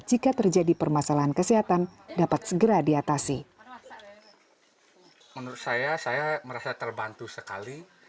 jika terjadi permasalahan kesehatan dapat segera diatasi menurut saya saya merasa terbantu sekali